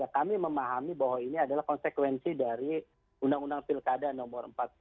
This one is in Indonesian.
kami memahami bahwa ini adalah konsekuensi dari undang undang pilkada nomor empat puluh